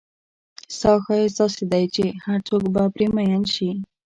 ستا ښایست داسې دی چې هرڅوک به پر مئین شي.